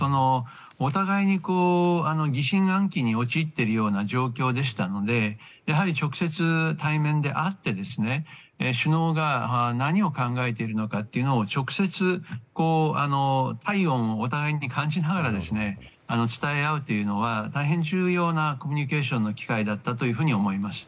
お互いに疑心暗鬼に陥っている状況でしたのでやはり直接、対面で会って首脳が何を考えているのかを直接、体温をお互いに感じながら伝え合うというのは大変重要なコミュニケーションの機会だったと思います。